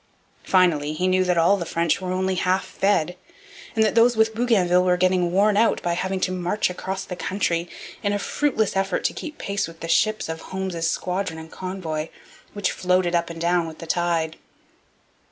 Finally, he knew that all the French were only half fed, and that those with Bougainville were getting worn out by having to march across country, in a fruitless effort to keep pace with the ships of Holmes's squadron and convoy, which floated up and down with the tide.